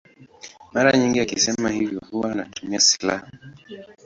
Mara nyingi akisema hivyo huwa anatumia silaha.